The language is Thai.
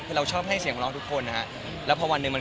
คือเราชอบให้เสียงของเราทุกคนนะครับ